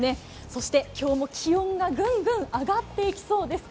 そして今日も気温がぐんぐん上がっていきそうです。